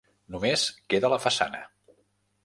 Només queda la façana.